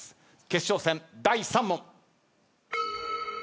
決勝戦第３問。